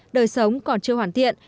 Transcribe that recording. đời sống còn chưa hoàn thiện